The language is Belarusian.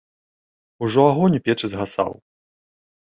Ужо агонь у печы згасаў.